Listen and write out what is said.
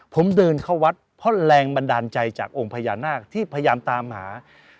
ผมเดินเข้าวัดเพราะแรงบันดาลใจจากองค์พญานาคที่พยายามตามหา